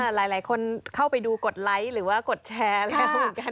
หลายคนเข้าไปดูกดไลก์หรือว่ากดแชร์แล้วกันนะ